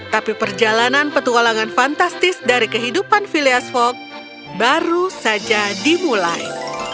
tapi perjalanan petualangan fantastis dari kehidupan philias fog baru saja dimulai